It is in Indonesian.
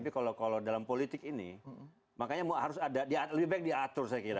tapi kalau dalam politik ini makanya harus ada lebih baik diatur saya kira